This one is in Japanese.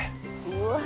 うわ！